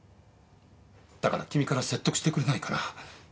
だから君から説得してくれないかな？